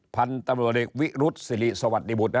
พันตำรวจเด็กวิรุฑสิริสวัสดีบุตร